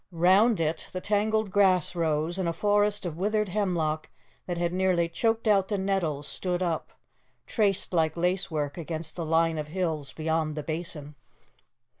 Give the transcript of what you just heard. Round it the tangled grass rose, and a forest of withered hemlock that had nearly choked out the nettles, stood up, traced like lacework against the line of hills beyond the Basin.